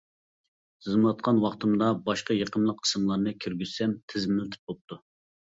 تىزىملاتقان ۋاقتىمدا باشقا يېقىملىق ئىسىملارنى كىرگۈزسەم تىزىملىتىپ بوپتۇ.